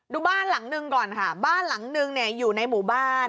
บ้านหลังหนึ่งก่อนค่ะบ้านหลังนึงเนี่ยอยู่ในหมู่บ้าน